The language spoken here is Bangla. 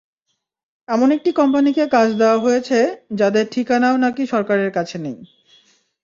এমন একটি কোম্পানিকে কাজ দেওয়া হয়েছে, যাদের ঠিকানাও নাকি সরকারের কাছে নেই।